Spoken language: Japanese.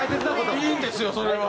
いいんですよそれは。